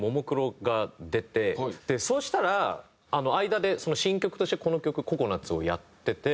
そしたら間で新曲としてこの曲『ココ☆ナツ』をやってて。